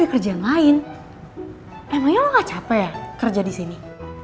emangnya lo gak capek ya kerja disini